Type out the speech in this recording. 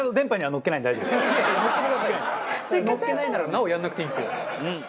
のっけないならなおやらなくていいんですよ。